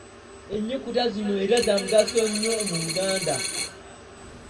Ennyukuta zino era za mugaso nnyo mu Luganda.